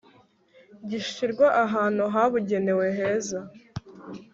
gishyirwa ahantu habugenewe heza